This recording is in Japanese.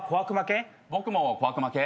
僕も小悪魔系。